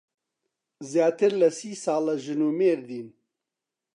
زیاتر لە سی ساڵە ژن و مێردین.